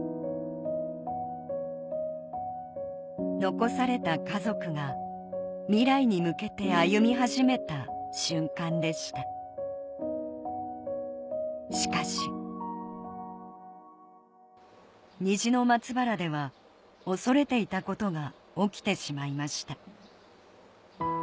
残された家族が未来に向けて歩み始めた瞬間でしたしかし虹の松原では恐れていたことが起きてしまいました